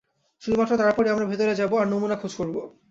শুধুমাত্র তারপরই আমরা ভেতরে যাব আর নমুনা খোঁজ করব।